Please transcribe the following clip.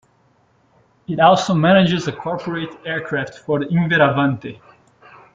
It also manages a corporate aircraft for Inveravante.